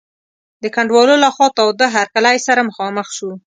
د ګډونوالو له خوا تاوده هرکلی سره مخامخ شو.